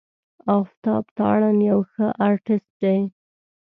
آفتاب تارڼ یو ښه آرټسټ دی.